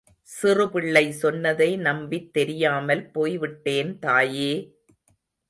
சிறுபிள்ளை சொன்னதை நம்பித் தெரியாமல் போய்விட்டேன் தாயே!